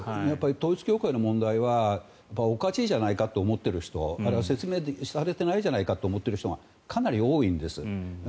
統一教会の問題はおかしいじゃないかと思ってる人あるいは説明されてないじゃないかと思っている人がかなり多いんです。